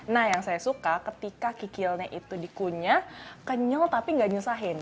nah yang saya suka ketika kikilnya itu dikunyah kenyal tapi gak nyusahin